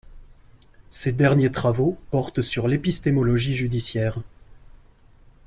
Ses derniers travaux portent sur l’épistémologie judiciaire.